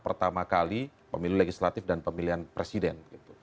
pertama kali pemilu legislatif dan pemilihan presiden